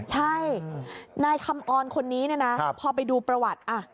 ใช่นายคำออนคนนี้เนี่ยนะพอไปดูประวัติ